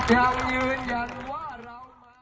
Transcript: ขอบคุณให้ตัวเองเลย